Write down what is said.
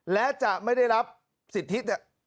และจะไม่ได้รับสิทธิ